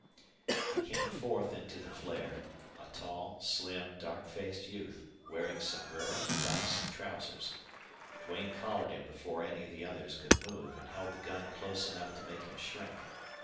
He came forth into the flare a tall, slim, dark faced youth, wearing sombrero, blouse and trousers. Duane collared him before any of the others could move and held the gun close enough to make him shrink.